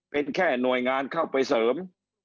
เป็นแค่หน่วยงานเข้าไปเสริม